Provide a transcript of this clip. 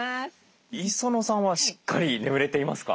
磯野さんはしっかり眠れていますか？